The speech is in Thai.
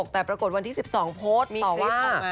แต่ปรากฏวันที่๑๒โพสต์ตอบว่า